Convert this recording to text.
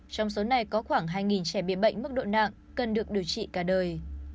trong số này có khoảng hai trẻ bị bệnh mức độ nặng cần được điều trị cả đời